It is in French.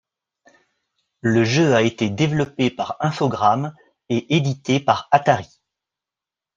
Le jeu a été développé par Infogrames et édité par Atari.